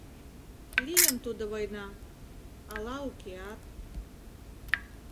Лийын тудо война... ала укеат...